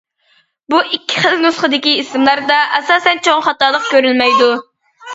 بۇ ئىككى خىل نۇسخىدىكى ئىسىملاردا ئاساسەن چوڭ خاتالىق كۆرۈلمەيدۇ.